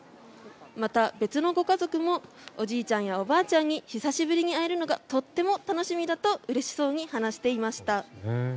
また、別のご家族もおじいちゃんやおばあちゃんに久しぶりに会えるのがとっても楽しみだとうれしそうに話していました。